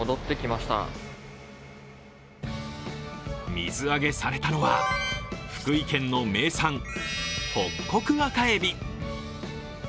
水揚げされたのは、福井県の名産、ホッコクアカエビ。